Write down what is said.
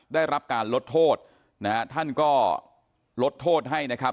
ได้รับการลดโทษนะฮะท่านก็ลดโทษให้นะครับ